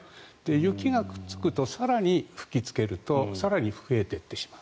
雪がくっつくと更に吹きつけると更に増えていってしまう。